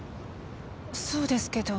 そうですけど。